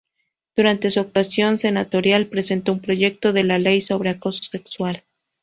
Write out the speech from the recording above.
Durante su actuación senatorial presentó un proyecto de ley sobre Acoso Sexual.